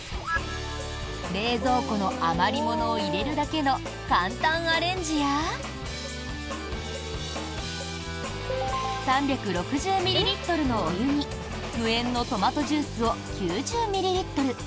冷蔵庫の余りものを入れるだけの簡単アレンジや３６０ミリリットルのお湯に無塩のトマトジュースを９０ミリリットル